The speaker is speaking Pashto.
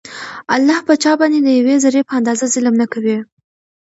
الله په چا باندي د يوې ذري په اندازه ظلم نکوي